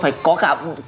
phải có cả